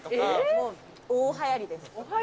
もう、大はやりです。